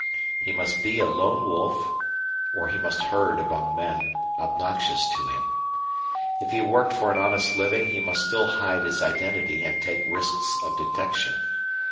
He must be a lone wolf or he must herd among men obnoxious to him. If he worked for an honest living he still must hide his identity and take risks of detection.